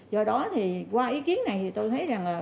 do đó thì qua ý kiến này thì tôi thấy rằng là